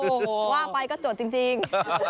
โอ้โหว่าไปก็จดจริง